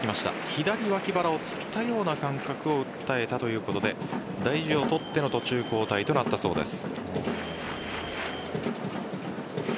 左わき腹をつったような感覚を訴えたということで大事をとっての途中交代となったそうです。